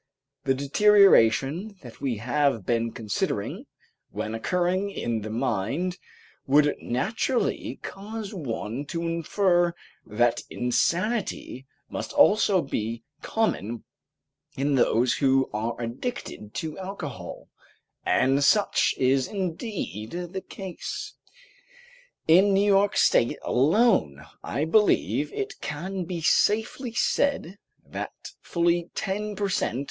The deterioration that we have been considering, when occurring in the mind, would naturally cause one to infer that insanity must also be common in those who are addicted to alcohol, and such is indeed the case. In New York State alone I believe it can be safely said that fully ten per cent.